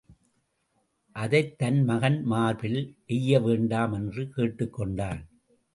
அதைத் தன் மகன் மார்பில் எய்ய வேண்டாம் என்று கேட்டுக் கொண்டான்.